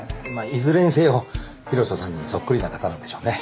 いずれにせよ広瀬さんにそっくりな方なんでしょうね。